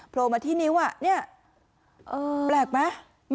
โลมาที่นิ้วเนี่ยแปลกไหม